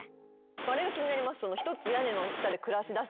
あれが気になります。